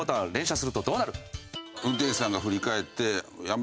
運転手さんが振り返って。